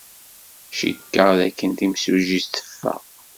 Cikkeɣ dakken timsujjit teffeɣ.